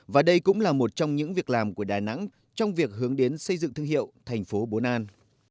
và đây cũng là một trong những việc làm của đà nẵng trong việc hướng đến xây dựng thương hiệu thành phố bốn an